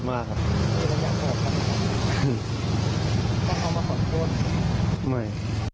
ไม่